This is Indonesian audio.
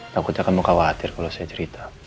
takutnya kamu khawatir kalau saya cerita